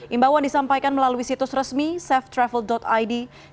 imbauan disampaikan melalui situs resmi safetravel id kementerian luar negeri setelah sembilan mei lalu